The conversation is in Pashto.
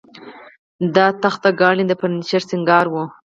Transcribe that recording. دا تخته ګانې د فرنیچر سینګار و